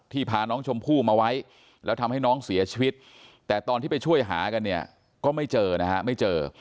พาน้องชมพู่มาไว้แล้วทำให้น้องเสียชีวิตแต่ตอนที่ไปช่วยหากันเนี่ยก็ไม่เจอนะฮะไม่เจอ